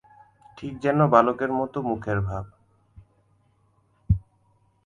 ঠিক যেন বালকের মতো মুখের ভাব।